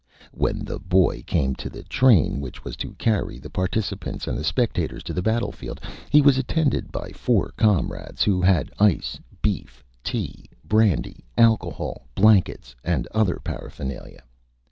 When the Boy came to the Train which was to carry the Participants and the Spectators to the Battle Field he was attended by four Comrades, who had Ice, Beef Tea, Brandy, Alcohol, Blankets and other Paraphernalia.